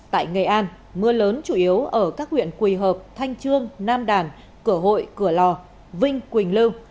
tại nghệ an mưa lớn chủ yếu ở các huyện quỳ hợp thanh trương nam đàn cửa hội cửa lò vinh quỳnh lưu